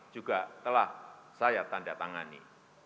juga telah saya tandatangani